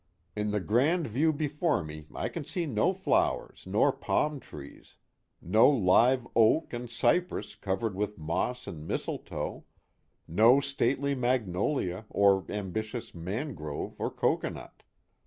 In the grand view before me I can see no flowers nor palm trees, no live oak and cypress covered with moss and mistletoe, no stately magnolia or ambitious mangrove or cocoanut.